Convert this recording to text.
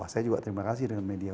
saya juga terima kasih dengan media